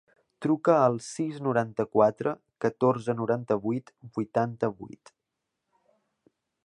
Truca al sis, noranta-quatre, catorze, noranta-vuit, vuitanta-vuit.